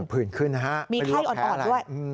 ผื่นขึ้นนะฮะไปดูว่าแพ้อะไรมีไข้อ่อนด้วย